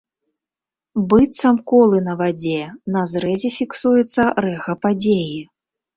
Быццам колы на вадзе, на зрэзе фіксуецца рэха падзеі.